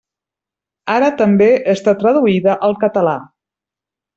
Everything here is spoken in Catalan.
Ara també està traduïda al català.